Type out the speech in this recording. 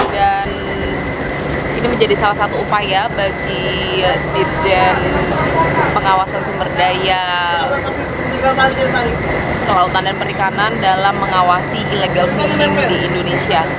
dan ini menjadi salah satu upaya bagi dirjen pengawasan sumber daya kelautan dan perikanan dalam mengawasi illegal fishing di indonesia